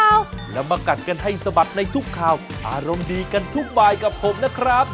แล้วมากัดกันให้สะบัดในทุกข่าวอารมณ์ดีกันทุกบายกับผมนะครับ